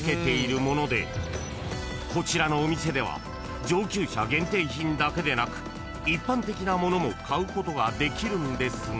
［こちらのお店では上級者限定品だけでなく一般的なものも買うことができるんですが］